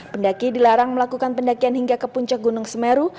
pendaki dilarang melakukan pendakian hingga ke puncak gunung semeru